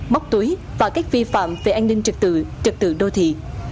móc túi và các vi phạm về an ninh trực tự trật tự đô thị